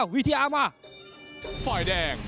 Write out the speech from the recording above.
วิทยามา